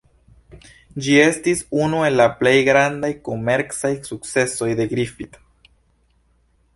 Ĝi estis unu el la plej grandaj komercaj sukcesoj de Griffith.